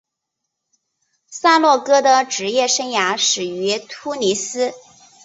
萨诺戈的职业生涯始于突尼斯。